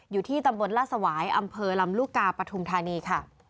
อยู่ที่ตำบลล่าสวายอำเภอลำลูกกาปฐุมธานีค่ะ